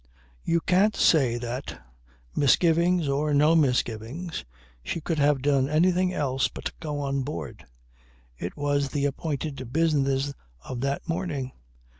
You can't say that (misgivings or no misgivings) she could have done anything else but go on board. It was the appointed business of that morning.